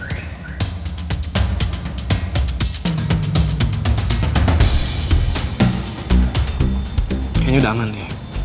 kayaknya udah aman nih